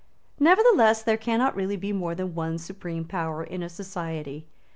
Nevertheless, there cannot really be more than one supreme power in a society.